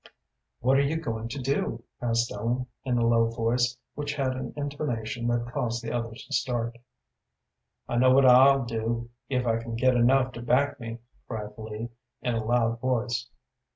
"What are you going to do?" asked Ellen, in a low voice, which had an intonation that caused the others to start. "I know what I'll do, if I can get enough to back me," cried Lee, in a loud voice.